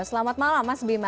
selamat malam mas bima